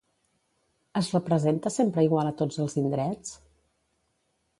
Es representa sempre igual a tots els indrets?